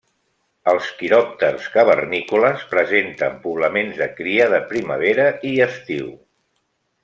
Els quiròpters cavernícoles presenten poblaments de cria de primavera i estiu.